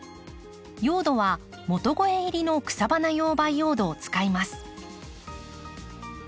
用土は元肥入りの草花用培養土を使います。